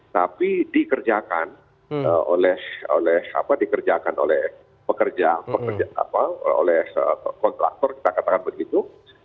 tapi dikerjakan oleh pekerja kontraktor kita katakan begitu